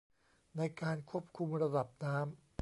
ในการควบคุมระดับน้ำ